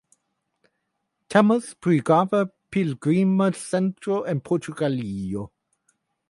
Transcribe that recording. Temas pri grava pligrima centro en Portugalio.